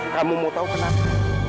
kamu mau tau kenapa